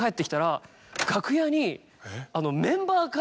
楽屋に。